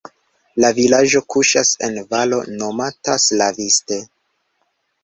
La vilaĝo kuŝas en valo nomata Slaviste.